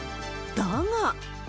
だが。